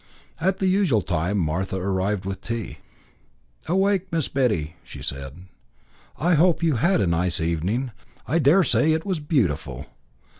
At the usual time Martha arrived with tea. "Awake, Miss Betty!" she said. "I hope you had a nice evening. I dare say it was beautiful."